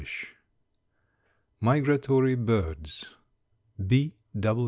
MIGRATORY BIRDS.